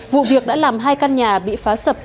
vụ việc đã làm hai căn nhà bị phá sập